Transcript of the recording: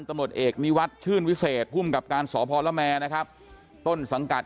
ตำรวจเอกนิวัตรชื่นวิเศษภูมิกับการสพละแมนะครับต้นสังกัด